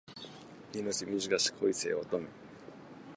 命短し恋せよ乙女